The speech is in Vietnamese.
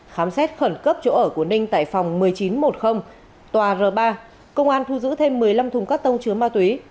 khám xét khẩn cấp chỗ ở của ninh tại phòng một mươi chín một tòa r ba công an thu giữ thêm một mươi năm thùng cắt tông chứa ma túy